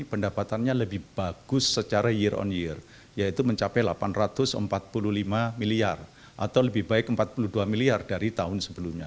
pendapatannya lebih bagus secara year on year yaitu mencapai delapan ratus empat puluh lima miliar atau lebih baik empat puluh dua miliar dari tahun sebelumnya